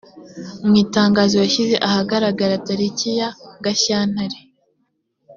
mu itangazo yashyize ahagaragara tariki ya… gashyantare